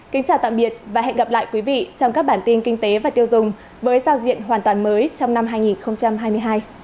kính chào tạm biệt và hẹn gặp lại quý vị trong các bản tin kinh tế và tiêu dùng với giao diện hoàn toàn mới trong năm hai nghìn hai mươi hai